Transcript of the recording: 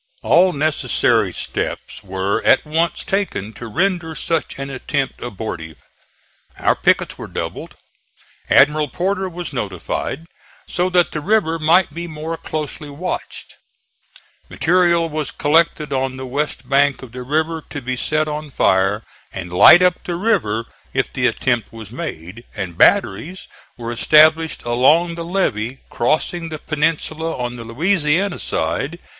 All necessary steps were at once taken to render such an attempt abortive. Our pickets were doubled; Admiral Porter was notified, so that the river might be more closely watched; material was collected on the west bank of the river to be set on fire and light up the river if the attempt was made; and batteries were established along the levee crossing the peninsula on the Louisiana side.